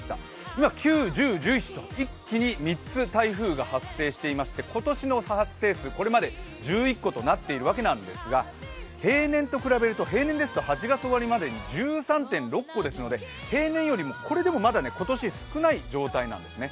今、９、１０、１１と一気に３つ台風が発生していまして、今年の発生数、これまで１１個となっているわけなんですが平年と比べると、平年ですと８月終わりまでに１３．６個ですので平年よりも、これでもまだ、今年は少ない状態なんですね。